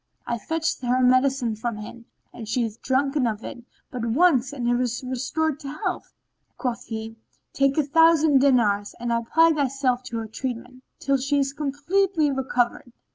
I fetched her medicine from him and she hath drunken of it but once and is restored to health." Quoth he, "Take a thousand dinars and apply thyself to her treatment, till she be completely recovered."